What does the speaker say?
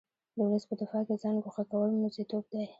د ولس په دفاع کې ځان ګوښه کول موزیتوب دی.